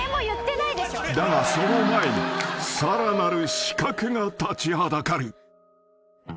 ［だがその前にさらなる刺客が立ちはだかる］